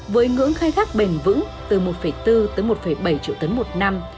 với ngưỡng khai thác bền vững từ một bốn tới một bảy triệu tấn một năm